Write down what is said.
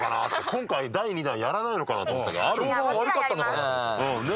今回第２弾やらないのかなと思ってたけどあるんだね。